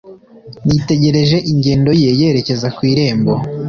nitegereje ingendo ye yerekeza ku irembo,